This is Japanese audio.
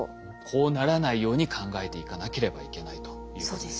こうならないように考えていかなければいけないということですね。